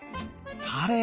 あれ？